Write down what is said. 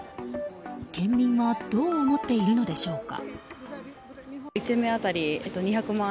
県民はどう思っているのでしょうか。